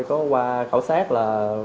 có qua khảo sát là